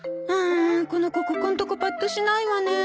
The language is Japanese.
あこの子ここんとこパッとしないわね。